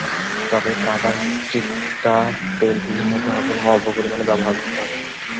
তবে কাভার স্টিকটা তেলবিহীন হতে হবে এবং অল্প পরিমাণে ব্যবহার করতে হবে।